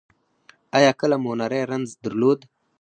ایا کله مو نری رنځ درلود؟